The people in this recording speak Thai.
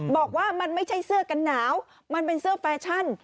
บอกว่ามันไม่ใช่เสื้อกันหนาวมันเป็นเสื้อแฟชั่น